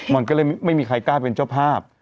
มันก็เลยไม่มีใครกล้าเป็นเจ้าภาพ